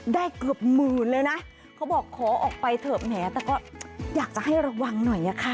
ได้เกือบหมื่นเลยนะเขาบอกขอออกไปเถอะแหมแต่ก็อยากจะให้ระวังหน่อยอะค่ะ